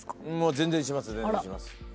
全然します